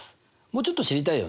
もうちょっと知りたいよね？